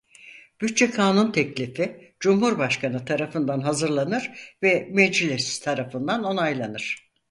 Bütçe kanun teklifi Cumhurbaşkanı tarafından hazırlanır ve Meclis tarafından onaylanır.